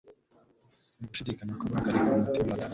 nugushidikanya no guhagarika umutima urakubiswe